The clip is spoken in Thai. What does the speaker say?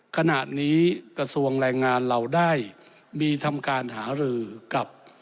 ขณะนี้กระทรวงแรงงานเราได้มีทำการหารือกับ